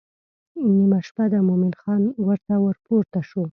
نیمه شپه ده مومن خان ورته ورپورته شو.